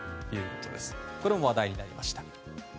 これも話題になりました。